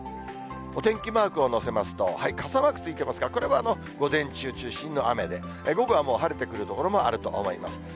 お天気マークをのせますと、傘マークついてますが、これは午前中中心の雨で、午後は晴れてくる所もあると思います。